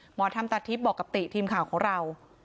หมอธรรมตาทิพย์บอกกับติทีมข่าวของเรา